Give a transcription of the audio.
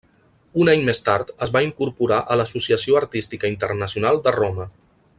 Un any més tard es va incorporar a l'Associació Artística Internacional de Roma.